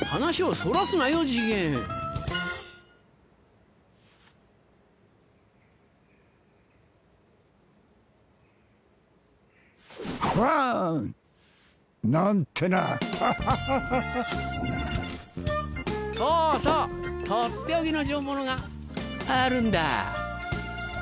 そうそうとっておきの上物があるんだ。